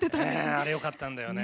あれよかったんだよね。